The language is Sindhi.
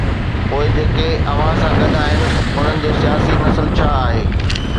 پوءِ جيڪي اوهان سان گڏ آهن انهن جو سياسي نسل ڇا آهي؟